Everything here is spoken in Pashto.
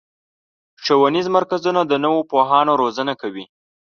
ښوونیز مرکزونه د نوو پوهانو روزنه کوي.